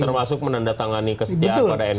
termasuk menandatangani kesetiaan